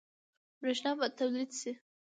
برښنا به تولید شي؟